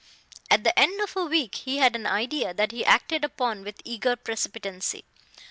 At the end of a week he had an idea that he acted upon with eager precipitancy.